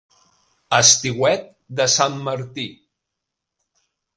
Estiuet de Sant Martí.